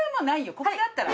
ここにあったら。